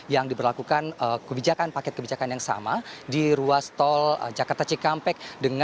yang diberlakukan kebijakan paket kebijakan yang sama di ruas tol jakarta cikampek